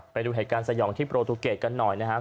ไปดูเหตุการณ์สยองที่โปรตูเกตกันหน่อยนะครับ